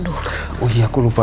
oh iya aku lupa